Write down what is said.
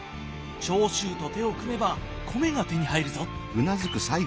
長州と手を組めば米が手に入るぞ。